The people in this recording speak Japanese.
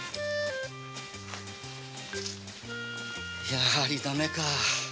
やはり駄目か。